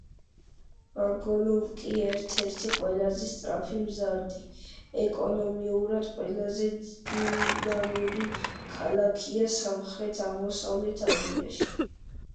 ბანგკოკი ერთ-ერთი ყველაზე სწრაფად მზარდი, ეკონომიკურად ყველაზე დინამიური ქალაქია სამხრეთ-აღმოსავლეთ აზიაში.